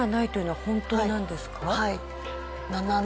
はい。